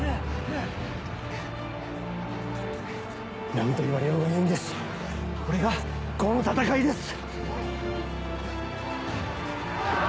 何と言われようがいいんですこれが伍の戦いです。